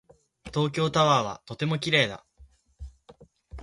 東京タワーはとても綺麗だ。